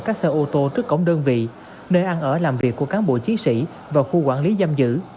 các xe ô tô trước cổng đơn vị nơi ăn ở làm việc của cán bộ chiến sĩ và khu quản lý giam giữ